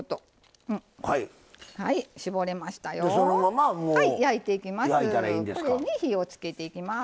はい焼いていきます。